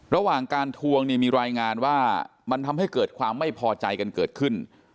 ระหว่างการทวงเนี่ยมีรายงานว่ามันทำให้เกิดความไม่พอใจกันเกิดขึ้น